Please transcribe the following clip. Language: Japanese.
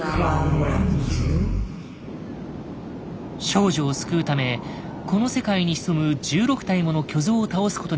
少女を救うためこの世界に潜む１６体もの巨像を倒すことになったワンダ。